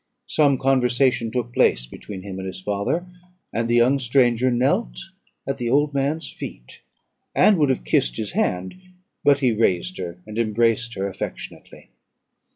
Some conversation took place between him and his father; and the young stranger knelt at the old man's feet, and would have kissed his hand, but he raised her, and embraced her affectionately.